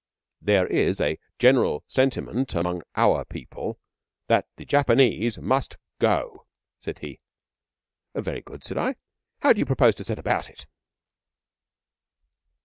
'There is a General Sentiment among Our People that the Japanese Must Go,' said he. 'Very good,' said I. 'How d'you propose to set about it?'